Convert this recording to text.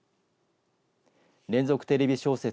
連続テレビ小説